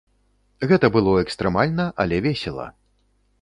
Гэта было экстрэмальна, але весела.